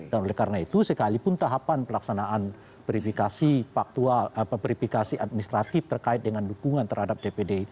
dan oleh karena itu sekalipun tahapan pelaksanaan verifikasi administratif terkait dengan dukungan terhadap dpk